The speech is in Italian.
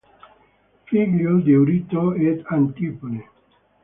Figlio di Eurito ed Antiope.